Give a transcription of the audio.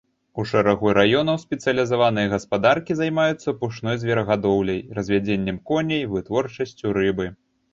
У шэрагу раёнаў спецыялізаваныя гаспадаркі займаюцца пушной зверагадоўляй, развядзеннем коней, вытворчасцю рыбы.